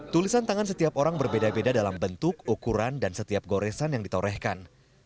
tulisan tangan setiap orang berbeda beda dalam bentuk ukuran dan setiap goresan yang ditorehkan